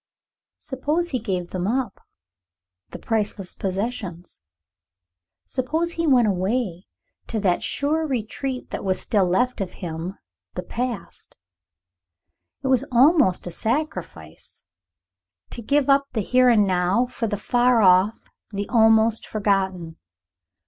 Suppose he gave them up the priceless possessions? Suppose he went away to that sure retreat that was still left him the past? It was a sacrifice. To give up the here and now, for the far off, the almost forgotten.